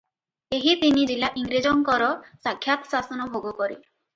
ଏହି ତିନିଜିଲା ଇଂରେଜଙ୍କର ସାକ୍ଷାତ୍ଶାସନ ଭୋଗ କରେ ।